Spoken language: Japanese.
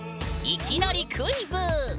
いきなりクイズ！